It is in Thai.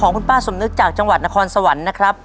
ของคุณป้าสมนึกจากจังหวัดนครสวรรค์นะครับ